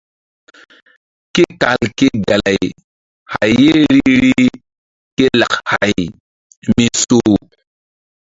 Ke kal ke gay hay ye ri rih ke lak hay mi soh.